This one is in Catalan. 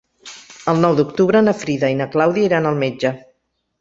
El nou d'octubre na Frida i na Clàudia iran al metge.